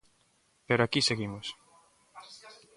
Pero aquí seguimos.